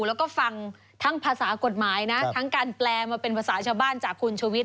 แล้วก็ฟังทั้งภาษากฎหมายนะทั้งการแปลมาเป็นภาษาชาวบ้านจากคุณชุวิต